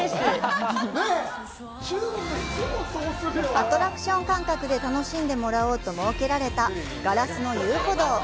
アトラクション感覚で楽しんでもらおうと設けられた「ガラスの遊歩道」。